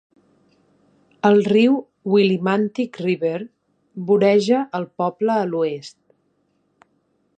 El riu Willimantic River voreja el poble a l'oest.